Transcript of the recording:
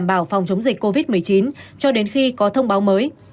bảo phòng chống dịch covid một mươi chín cho đến khi có thông báo mới